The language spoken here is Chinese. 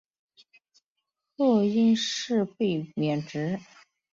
后因事被免职。